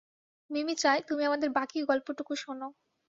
মিমি চায়, তুমি আমাদের বাকী গল্পটুকু শোন।